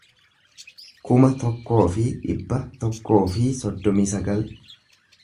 kuma tokkoo fi dhibba tokkoo fi soddomii sagal